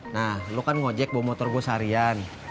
nah lo kan ngojek bawa motor gue seharian